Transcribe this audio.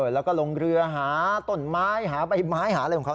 แล้วก็ลงเรือหาต้นไม้หาใบไม้หาอะไรของเขา